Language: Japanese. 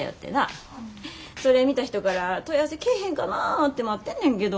それ見た人から問い合わせ来えへんかなて待ってんねんけど。